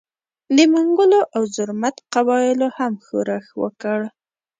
د منګلو او زرمت قبایلو هم ښورښ وکړ.